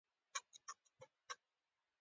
هغه په بند کې سختې شپې ورځې تېرولې.